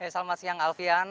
selamat siang alfian